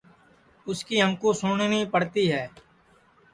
اُس کی ہمکُو سُٹؔنی پڑتی ہے